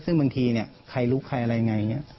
ซึ่งบางทีใครลุกใครอะไรอย่างนี้